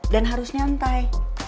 dan harus nyantai